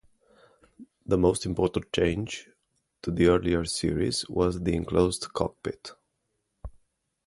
The most important change to the earlier series was the enclosed cockpit.